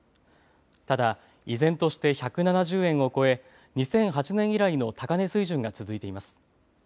ただ依然として１７０円を超え２００８年以来の高値水準が続いています。